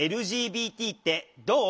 「ＬＧＢＴってどう？」。